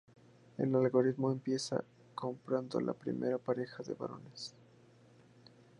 El algoritmo empieza comparando la primera pareja de valores.